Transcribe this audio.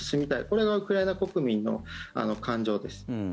これがウクライナ国民の感情です。